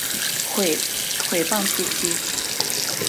毁谤司机